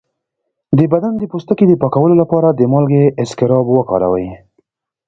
د بدن د پوستکي د پاکولو لپاره د مالګې اسکراب وکاروئ